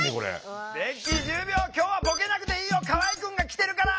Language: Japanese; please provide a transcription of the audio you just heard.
今日はボケなくていいよ河合くんが来てるから！